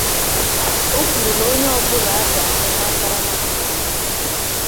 O kwùrù na onye ọbụla a ga-ahụ n'akparamagwa ahụ